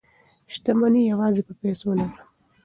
شتمني یوازې په پیسو کې نه ده.